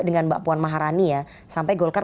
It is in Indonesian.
dengan mbak puan maharani ya sampai golkar